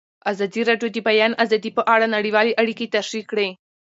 ازادي راډیو د د بیان آزادي په اړه نړیوالې اړیکې تشریح کړي.